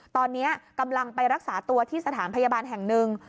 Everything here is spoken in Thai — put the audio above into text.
ตอนนี้กำลังไปรักษาตัวที่สถานพยาบาลแห่งหนึ่ง